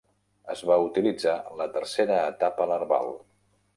Es va utilitzar la tercera etapa larval.